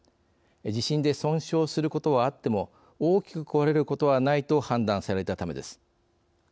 地震で損傷することはあっても大きく壊れることはないと判断されたためです。